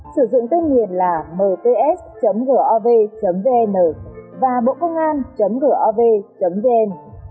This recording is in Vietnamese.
sử dụng tên miền là mts gov vn và bộcôngan gov vn